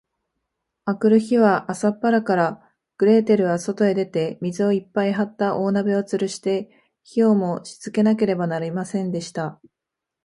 あくる日は、朝っぱらから、グレーテルはそとへ出て、水をいっぱいはった大鍋をつるして、火をもしつけなければなりませんでした。